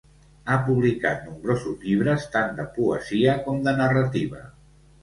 Ha publicat nombrosos llibres, tant de poesia com de narrativa.